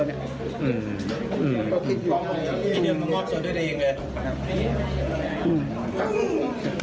พี่เดี๋ยวมามอบตัวด้วยตัวเองเลย